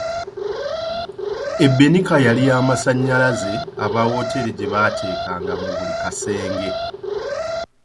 Ebbinika yali ya masannyalaze aba wooteeri gye baateekanga mu buli kasenge.